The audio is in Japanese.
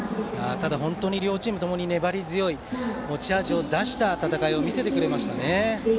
ただ本当に両チームとも粘り強い持ち味を出した戦いを見せてくれましたね。